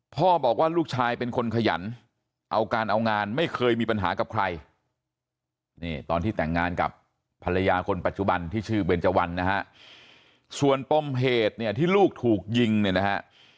พ่อบอกว่าลูกชายเป็นคนขยันเอาการเอางานไม่เคยมีปัญหากับใครนี่ตอนที่แต่งงานกับภรรยาคนปัจจุบันที่ชื่อเบนเจวันนะฮะส่วนปมเหตุเนี่ยที่ลูกถูกยิงเนี่ยนะฮะ